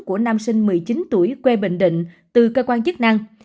của nam sinh một mươi chín tuổi quê bình định từ cơ quan chức năng